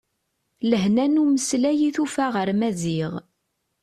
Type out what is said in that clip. Lehna n umeslay i tufa ɣer Maziɣ.